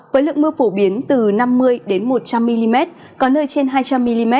với lượng mưa phổ biến từ năm mươi một trăm linh mm có nơi trên hai trăm linh mm